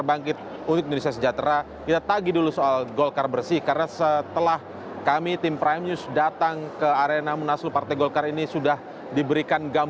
baik terima kasih budi